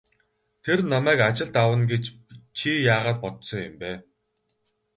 Тэр намайг ажилд авна гэж чи яагаад бодсон юм бэ?